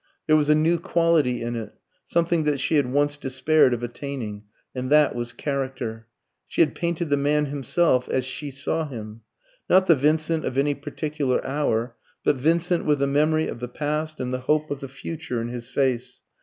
There was a new quality in it, something that she had once despaired of attaining. And that was character. She had painted the man himself, as she saw him. Not the Vincent of any particular hour, but Vincent with the memory of the past, and the hope of the future in his face.